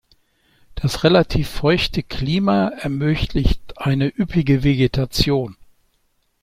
Das relativ feuchte Klima ermöglicht eine üppige Vegetation.